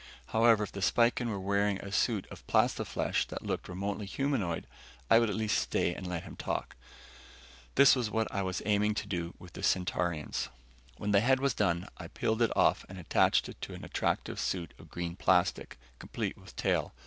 However, if the Spican was wearing a suit of plastiflesh that looked remotely humanoid, I would at least stay and talk to him. This was what I was aiming to do with the Centaurians. When the head was done, I peeled it off and attached it to an attractive suit of green plastic, complete with tail.